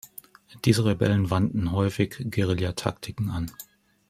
Diese Rebellen wandten häufig Guerillataktiken an.